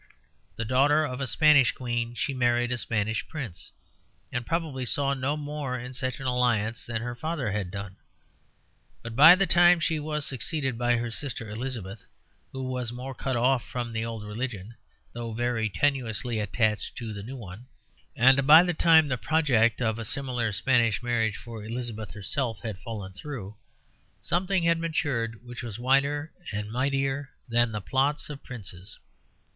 The daughter of a Spanish queen, she married a Spanish prince, and probably saw no more in such an alliance than her father had done. But by the time she was succeeded by her sister Elizabeth, who was more cut off from the old religion (though very tenuously attached to the new one), and by the time the project of a similar Spanish marriage for Elizabeth herself had fallen through, something had matured which was wider and mightier than the plots of princes.